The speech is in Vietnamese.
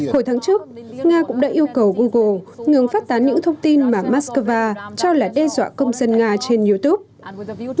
hồi tháng trước nga cũng đã yêu cầu google ngừng phát tán những thông tin mà moscow cho là đe dọa công dân nga trên youtube